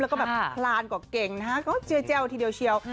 และก็แบบพลานกว่าเก่งนะเค้าเจียวทีเดียวเชียว